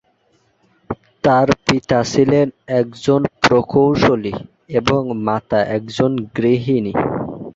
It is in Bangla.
তার পিতা ছিলেন একজন প্রকৌশলী এবং মাতা একজন গৃহিণী।